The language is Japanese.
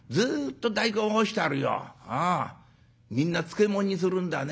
みんな漬物にするんだね。